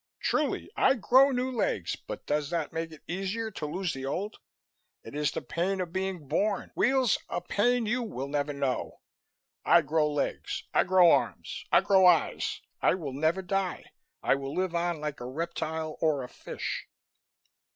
Truly, I grow new legs, but does that make it easier to lose the old? It is the pain of being born, Weels, a pain you will never know! I grow legs, I grow arms, I grow eyes. I will never die! I will live on like a reptile or a fish."